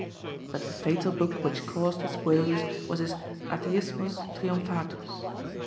But the fatal book which caused his woes was his Atheismus triumphatus.